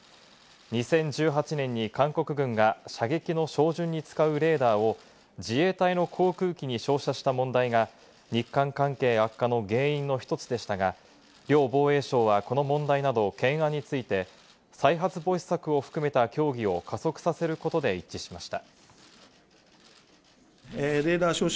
２０１８年に韓国軍が射撃の照準に使うレーダーを自衛隊の航空機に照射した問題が日韓関係悪化の原因の一つでしたが、両防衛相はこの問題など懸案について、再発防止策を含めた協議を加速させることで一致しました。